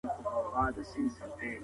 د دلارام بازار په پوره ډول جوړ سوی دی.